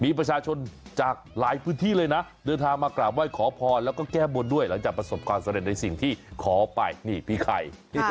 มีประชาชนจากหลายพื้นที่เลยนะเดินทางมากราบไหว้ขอพรแล้วก็แก้บนด้วยหลังจากประสบความสำเร็จในสิ่งที่ขอไปนี่พี่ไข่